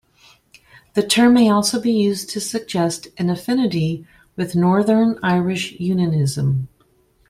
The term may also be used to suggest an affinity with Northern Irish unionism.